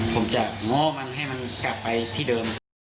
ผมจะง้อมันให้มันกลับไปที่เดิม